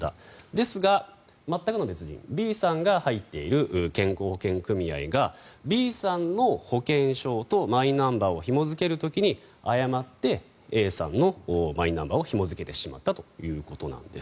ですが全くの別人、Ｂさんが入っている健康保険組合がＢさんの保険証とマイナンバーをひも付ける時に誤ってＡさんのマイナンバーをひも付けてしまったということなんです。